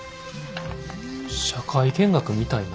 社会見学みたいな？